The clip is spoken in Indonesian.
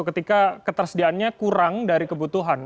ketika ketersediaannya kurang dari kebutuhan